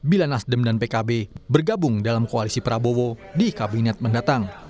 bila nasdem dan pkb bergabung dalam koalisi prabowo di kabinet mendatang